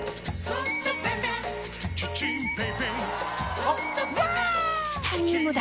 チタニウムだ！